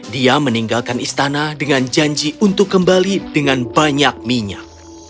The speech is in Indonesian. dia meninggalkan istana dengan janji untuk kembali dengan banyak minyak